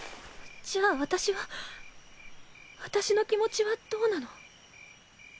じゃあ私は私の気持ちはどうなの？